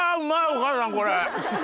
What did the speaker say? お母さんこれ。